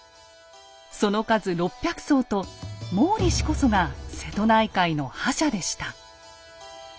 その数６００艘と毛利氏こそが瀬戸内海の覇者でした。